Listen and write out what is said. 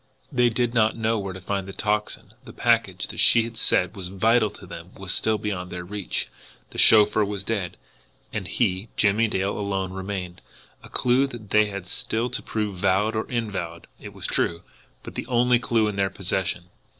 They did not know where to find the Tocsin; the package that she had said was vital to them was still beyond their reach; the chauffeur was dead; and he, Jimmie Dale, alone remained a clew that they had still to prove valid or invalid it was true, but the only clew in their possession.